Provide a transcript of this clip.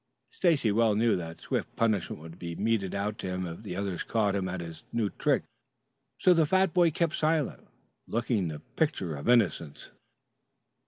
Stacy well knew that swift punishment would be meted out to him if the others caught him at his new trick, so the fat boy kept silent, looking the picture of innocence.